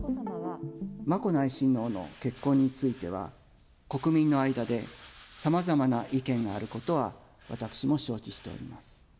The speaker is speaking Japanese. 眞子内親王の結婚については、国民の間で、さまざまな意見があることは私も承知しております。